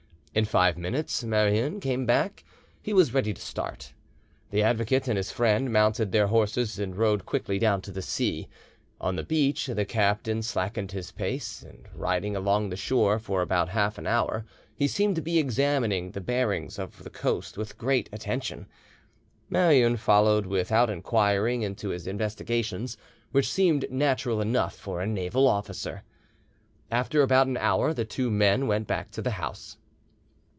In five minutes Marouin came back. He was ready to start. The avocat and his friend mounted their horses and rode quickly down to the sea. On the beach the captain slackened his pace, and riding along the shore for about half an hour, he seemed to be examining the bearings of the coast with great attention. Marouin followed without inquiring into his investigations, which seemed natural enough for a naval officer. After about an hour the two men went back to the house.